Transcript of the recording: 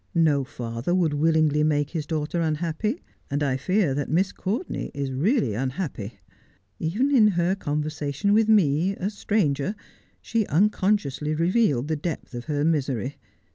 'No father would willingly make his daughter unhappy ; and I fear that Miss Courtenay is really unhappy. Even in her conversation with me, a stranger, she unconsciously revealed the depth of her misery.